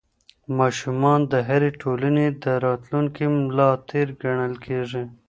ماشومان د هرې ټولنې د راتلونکي ملا تېر ګڼل کېږي.